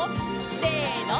せの！